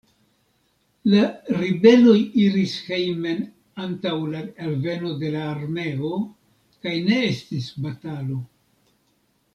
La ribeloj iris hejmen antaŭ la alveno de la armeo, kaj ne estis batalo.